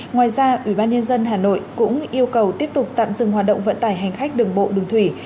ngoài ra ubnd hà nội cũng yêu cầu tiếp tục tạm dừng hoạt động vận tải hành khách đường bộ đường thủy